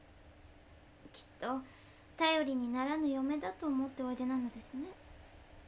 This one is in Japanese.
きっと頼りにならぬ嫁だと思っておいでなのですね。